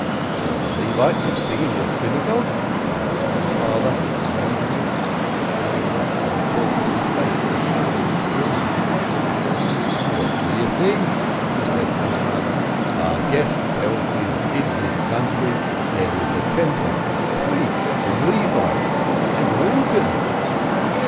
"There are Levites who sing in your synagogue?" asked my father, wondering, and the answer caused his face to shine with joy. "What do you think?" he said to my mother. "Our guest tells me that in his country there is a temple, with priests and Levites and an organ."